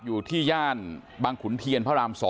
อยู่ที่ย่านบางขุนเทียนพระราม๒